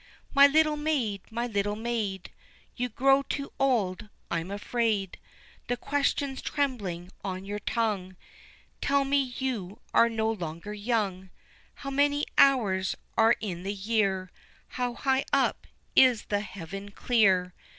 My little maid, my little maid, You grow too old, I am afraid, The questions trembling on your tongue Tell me you are no longer young, How many hours are in the year? How high up is the heaven clear?